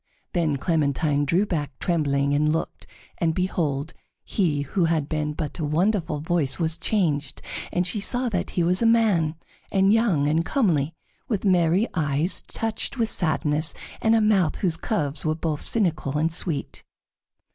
Then Clementine drew back trembling and looked, and behold, he who had been but a wonderful voice was changed, and she saw that he was a man, and young, and comely, with merry eyes touched with sadness, and a mouth whose curves were both cynical and sweet.